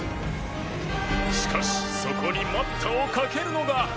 しかし、そこに待ったをかけるのが。